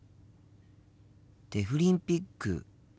デフリンピック。